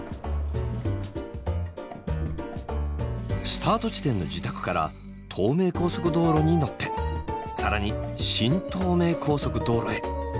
スタート地点の自宅から東名高速道路に乗って更に新東名高速道路へ。